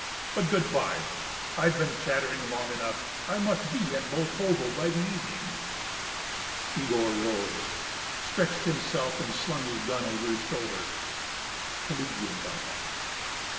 But good bye, I've been chattering long enough.... I must be at Boltovo by the evening." Yegor rose, stretched himself, and slung his gun over his shoulder; Pelagea got up.